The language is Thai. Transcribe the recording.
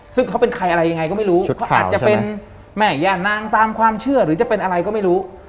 ซึ่งเขาเป็นใครอะไรยังไงก็ไม่รู้เขาอาจจะเป็นแม่ย่านางตามความเชื่อหรือจะเป็นอะไรก็ไม่รู้